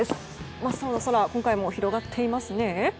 真っ青な空が今回も広がっていますね。